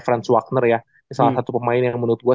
friends wagner ya salah satu pemain yang menurut gue